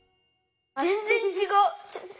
ぜんぜんちがう！